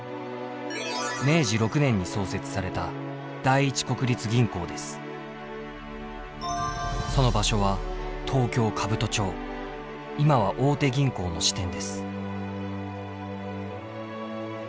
明治６年に創設されたその場所は東京・兜町今は大手銀行の支店です。